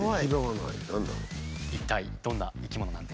一体どんな生き物なんでしょうか？